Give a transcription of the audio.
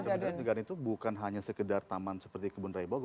sebenarnya botanical garden itu bukan hanya sekedar taman seperti kebun raibow